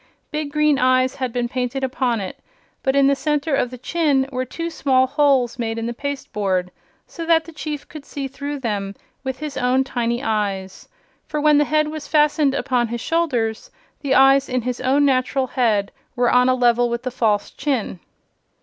Big green eyes had been painted upon it, but in the center of the chin were two small holes made in the pasteboard, so that the Chief could see through them with his own tiny eyes; for when the big head was fastened upon his shoulders the eyes in his own natural head were on a level with the false chin.